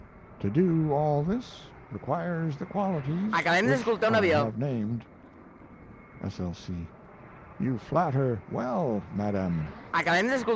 To do all this requires the qualities which I have named. 'S. L. C.' You flatter well, Madame.